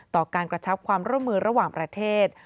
ต่อการกระชับความร่วมมือระหว่างประเทศ